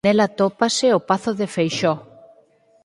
Nel atópase o Pazo de Feixoo.